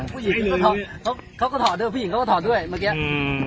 ผู้หญิงเขาก็ถอดเขาก็ถอดด้วยผู้หญิงเขาก็ถอดด้วยเมื่อกี้อืม